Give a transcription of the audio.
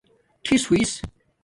ٹِھس ھݸس